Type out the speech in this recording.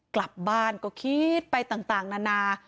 กลับบ้านก็คิดไปต่างนานา